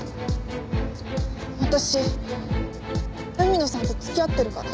私海野さんと付き合ってるから。